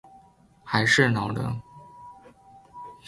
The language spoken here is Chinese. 还是老人